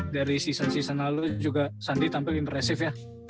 dari season season lalu juga shandy tampil impressive ya